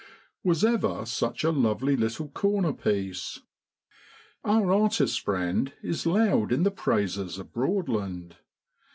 Was ever such a lovely little corner piece ? Our artist friend is loud in the praises of Broadland.